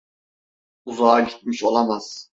Uzağa gitmiş olamaz.